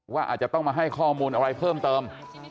ว่าอาจจะต้องมาให้ข้อมูลอะไรเพิ่มเติม